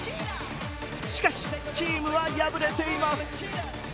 しかし、チームは敗れています。